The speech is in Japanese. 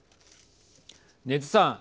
禰津さん。